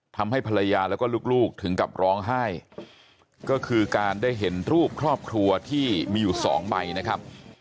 ทำให้ภรรยาแล้วก็ลูกถึงกับร้องไห้ก็คือการได้เห็นรูปครอบครัวที่มีอยู่สองใบนะครับ